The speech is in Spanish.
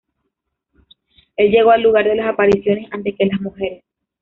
El llegó al lugar de las apariciones antes que las mujeres.